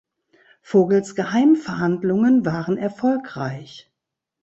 Vogels Geheimverhandlungen waren erfolgreich.